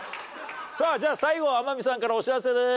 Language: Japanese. さあじゃあ最後天海さんからお知らせです。